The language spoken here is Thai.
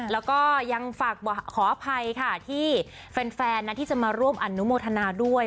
แล้วก็ยังฝากขออภัยค่ะที่แฟนที่จะมาร่วมอนุโมทนาด้วย